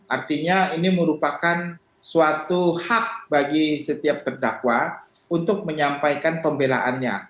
artinya ini merupakan suatu hak bagi setiap terdakwa untuk menyampaikan pembelaannya